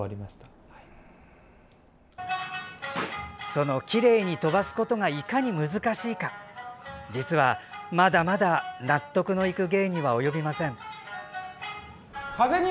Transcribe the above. そのきれいに飛ばすことがいかに難しいか実は、まだまだ納得のいく芸には及びません。